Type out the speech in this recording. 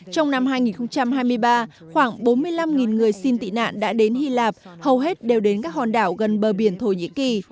trong năm hai nghìn hai mươi ba khoảng bốn mươi năm người xin tị nạn đã đến hy lạp hầu hết đều đến các hòn đảo gần bờ biển thổ nhĩ kỳ